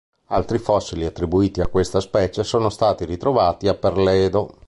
Altri fossili attribuiti a questa specie sono stati ritrovati a Perledo.